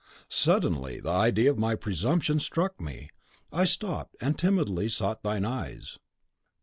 Suddenly the idea of my presumption struck me. I stopped, and timidly sought thine eyes.